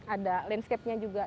ada landscape nya juga